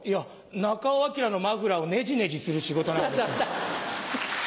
中尾彬のマフラーをネジネジする仕事なんです。